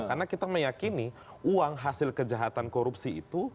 karena kita meyakini uang hasil kejahatan korupsi itu